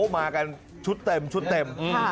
มากันชุดเต็มชุดเต็ม